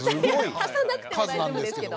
足さなくても大丈夫ですけど。